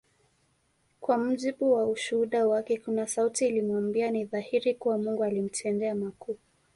Kwa mujibu wa ushuhuda wake kuna sauti ilimwambia ni dhahiri kuwa Mungu alimtendea makuu